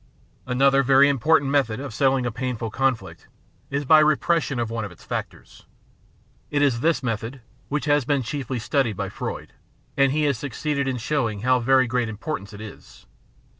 Another very important method of settling a painful con flict is by repression of one of its factors. It is this method which has been chiefly studied by Freud, and he has succeeded in show ing how very great its importance is.